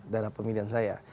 daerah pemilihan saya